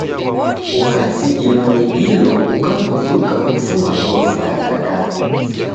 Ukazidilwa ni dilo ukabuduka kufuma gorofa ya kadadu.